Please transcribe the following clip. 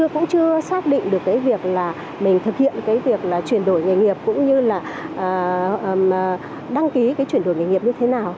cũng chưa xác định được cái việc là mình thực hiện cái việc là chuyển đổi nghề nghiệp cũng như là đăng ký cái chuyển đổi nghề nghiệp như thế nào